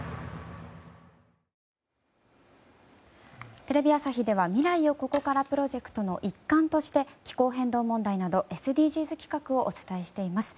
テレビ朝日では未来をここからプロジェクトの一環として気候変動問題などＳＤＧｓ企画をお伝えしています。